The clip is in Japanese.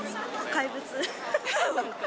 怪物。